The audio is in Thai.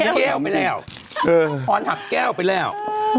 แก้วไปแล้วพรหักแก้วไปแล้ว